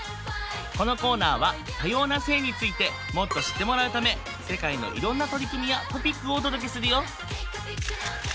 このコーナーは多様な性についてもっと知ってもらうため世界のいろんな取り組みやトピックをお届けするよ。